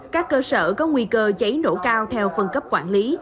các cơ sở có nguy cơ cháy nổ cao theo phân cấp quản lý